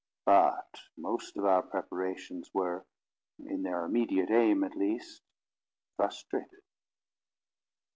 But most of our preparations were, in their immediate aim at least, frustrated.